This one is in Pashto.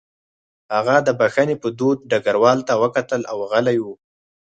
هغه د بښنې په دود ډګروال ته وکتل او غلی و